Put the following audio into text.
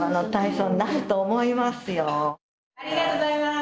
ありがとうございます。